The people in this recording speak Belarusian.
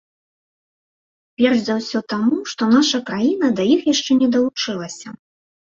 Перш за ўсё таму, што наша краіна да іх яшчэ не далучылася.